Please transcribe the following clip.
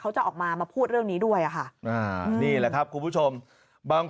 จะออกมามาพูดเรื่องนี้ด้วยอะค่ะนี่แหละครับคุณผู้ชมบาง